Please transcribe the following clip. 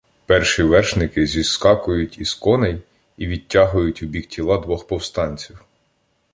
Перші вершники зіскакують із коней і відтягають убік тіла двох повстанців.